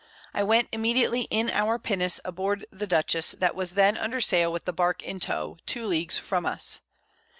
I went immediately in our Pinnace aboard the Dutchess, that was then under Sail with the Bark in Tow, 2 Leagues from us.